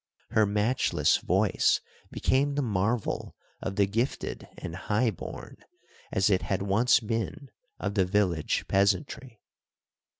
Her matchless voice became the marvel of the gifted and high born, as it had once been of the village peasantry.